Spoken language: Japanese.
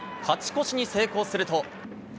勝ち越しに成功すると。